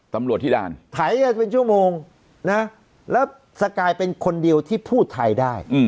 ตำรวจที่ด่านไถกันเป็นชั่วโมงนะแล้วสกายเป็นคนเดียวที่พูดไทยได้